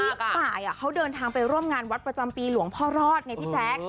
อีกฝ่ายเขาเดินทางไปร่วมงานวัดประจำปีหลวงพ่อรอดไงพี่แจ๊ค